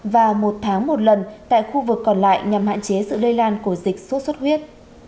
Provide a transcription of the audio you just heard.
và một tháng một lần tại khu vực còn lại nhằm hạn chế sự lây lan của dịch sốt xuất huyết